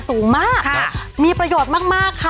สูงมากมีประโยชน์มาก